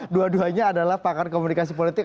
dua duanya adalah pakar komunikasi politik